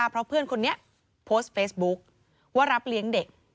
เพราะเพื่อนคนนี้โพสต์เฟซบุ๊คว่ารับเลี้ยงเด็ก